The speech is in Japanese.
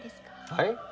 はい？